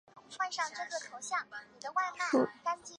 粉红溲疏为虎耳草科溲疏属下的一个种。